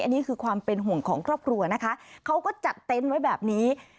อันนี้คือความเป็นห่วงของครอบครัวนะคะเขาก็จัดเต็นต์ไว้แบบนี้